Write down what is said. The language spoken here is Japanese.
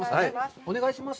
お願いします。